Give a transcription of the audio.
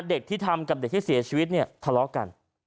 เด็กที่ทำกับเด็กที่เสียชีวิตเนี่ยทะเลาะกัน